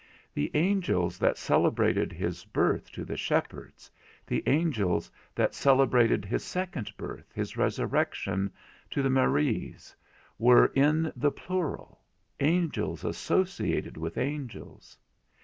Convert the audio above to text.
The angels that celebrated his birth to the shepherds, the angels that celebrated his second birth, his resurrection, to the Maries, were in the plural, angels associated with angels.